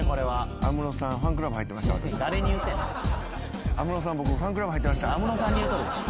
安室さんに言うとるん。